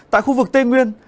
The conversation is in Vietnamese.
tại khu vực tên nguyên